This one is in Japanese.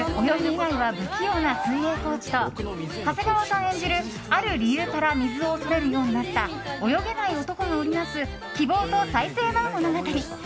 以外は不器用な水泳コーチと長谷川さん演じる、ある理由から水を恐れるようになった泳げない男が織り成す希望と再生の物語。